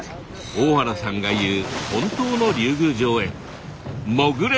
大原さんが言う本当の竜宮城へ潜れ！